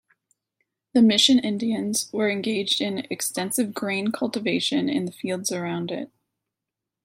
The Mission Indians were engaged in extensive grain cultivation in the fields around it.